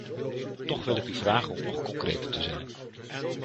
Toch wil ik u vragen om nog concreter te zijn.